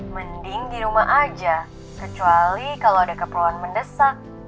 mending di rumah aja kecuali kalau ada keperluan mendesak